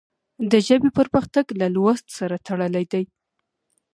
د ژبې پرمختګ له لوست سره تړلی دی.